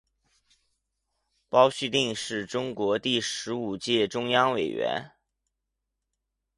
包叙定是中共第十五届中央委员。